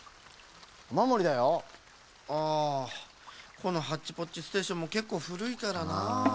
このハッチポッチステーションもけっこうふるいからなあ。